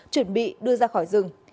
chuẩn bị đưa ra khỏi rừng